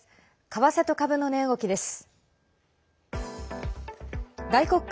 為替と株の値動きです。